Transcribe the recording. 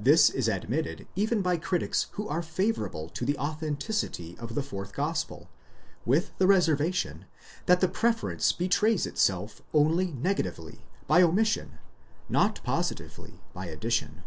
This is admitted even by critics who are favourable to the authenticity of the fourth gospel,!® with the reservation, that the pre ference betrays itself only negatively, by omission, not positively, by addition.